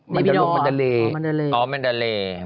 แมนบิดอลอร์แมนดาเลเหรอแมนดาเล